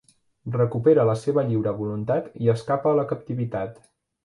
Recupera la seva lliure voluntat i escapa a la captivitat.